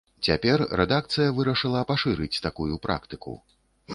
Цяпер рэдакцыя вырашыла пашырыць такую практыку.